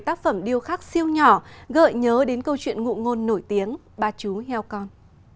tác phẩm điêu khắc siêu nhỏ gợi nhớ đến câu chuyện ngụ ngôn nổi tiếng ba chú heo con